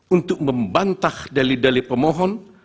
untuk membantah dali dali pemohon